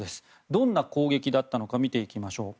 どんな攻撃だったのか見ていきましょう。